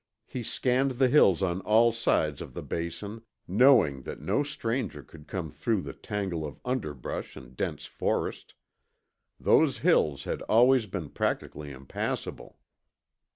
He scanned the hills on all sides of the basin, knowing that no stranger could come through the tangle of underbrush and dense forest. Those hills had always been practically impassable.